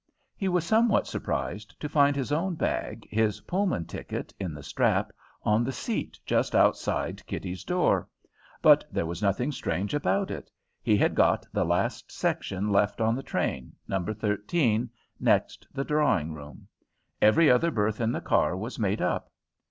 He was somewhat surprised to find his own bag, his Pullman ticket in the strap, on the seat just outside Kitty's door. But there was nothing strange about it. He had got the last section left on the train, No. 13, next the drawing room. Every other berth in the car was made up.